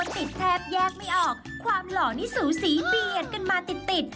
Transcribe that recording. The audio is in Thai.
แม่เบิ้นไลน์การดูจรังเปล่าครับ